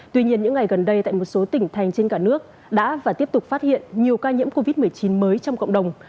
tuy nhiên những ngày gần đây tại một số tỉnh thành trên cả nước đã và tiếp tục phát hiện nhiều ca nhiễm covid một mươi chín mới trong cộng đồng